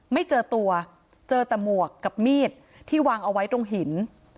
ไม่เจอตัวเจอแต่หมวกกับมีดที่วางเอาไว้ตรงหิน